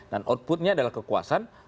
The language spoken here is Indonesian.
dan outputnya adalah kekuasaan